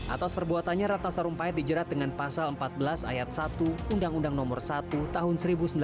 atas perbuatannya ratna sarumpait dijerat dengan pasal empat belas ayat satu undang undang nomor satu tahun seribu sembilan ratus sembilan puluh